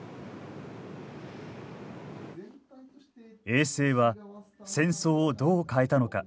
衛星は戦争をどう変えたのか？